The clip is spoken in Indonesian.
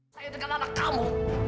saya dengan anak kamu